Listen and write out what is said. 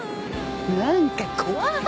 何か怖い。